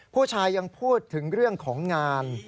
ผู้ชายยังพูดถึงเรื่องของงาน